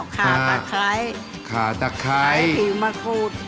ขาตักไข่ขาตักไข่ใส่ผิวมะกรูป